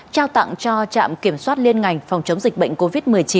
trao tặng cho trạm kiểm soát liên ngành phòng chống dịch bệnh covid một mươi chín